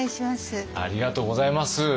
ありがとうございます。